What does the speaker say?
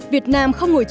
việt nam không ngồi chờ